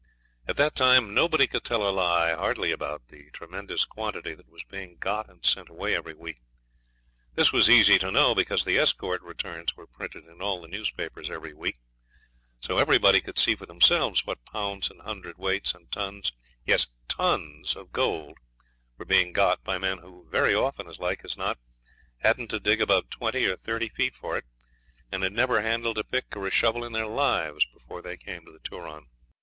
At that time nobody could tell a lie hardly about the tremendous quantity that was being got and sent away every week. This was easy to know, because the escort returns were printed in all the newspapers every week; so everybody could see for themselves what pounds and hundredweights and tons yes, tons of gold were being got by men who very often, as like as not, hadn't to dig above twenty or thirty feet for it, and had never handled a pick or a shovel in their lives before they came to the Turon.